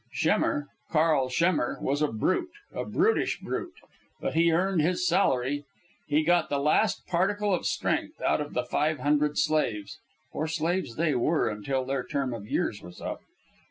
Schemmer, Karl Schemmer, was a brute, a brutish brute. But he earned his salary. He got the last particle of strength out of the five hundred slaves; for slaves they were until their term of years was up.